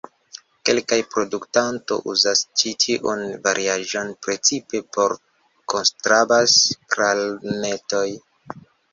Kelkaj produktanto uzas ĉi tiun variaĵon precipe por konstrabas-klarnetoj.